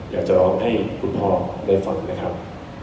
อยากจะร้องให้คุณพ่อได้ฟังนะครับ